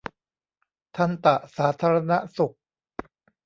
ทันตสาธารณสุข